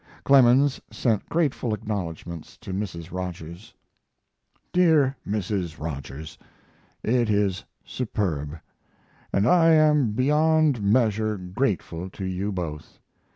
Clemens sent grateful acknowledgments to Mrs. Rogers. DEAR MRS. ROGERS, It is superb! And I am beyond measure grateful to you both.